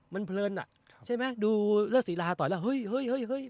มันเพลินอ่ะใช่ไหมดูเลือดศิลาต่อยแล้วเฮ้ยเฮ้ย